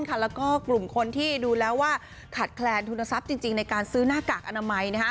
แล้วก็กลุ่มคนที่ดูแล้วว่าขาดแคลนทุนทรัพย์จริงในการซื้อหน้ากากอนามัย